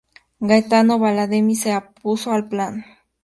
Gaetano Badalamenti se opuso al plan.